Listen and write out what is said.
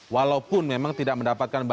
walaupun memang tidak mendapatkan bantuan